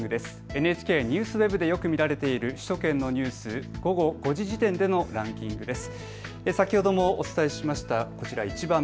ＮＨＫＮＥＷＳＷＥＢでよく見られている首都圏のニュース、午後５時時点でのランキングです。